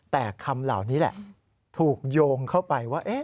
แต่คำเหล่านี้แหละถูกโยงเข้าไปว่า